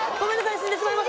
死んでしまいます。